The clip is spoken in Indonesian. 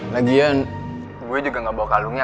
lagian gue juga gak bawa kalungnya